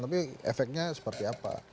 tapi efeknya seperti apa